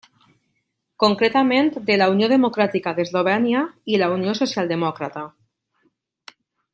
Concretament de la Unió Democràtica d'Eslovènia i la Unió Social-Demòcrata.